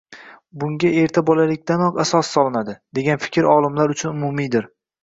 Bunga erta bolalikdanoq asos solinadi, degan fikr olimlar uchun umumiydir.